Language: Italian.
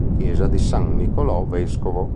Chiesa di San Nicolò Vescovo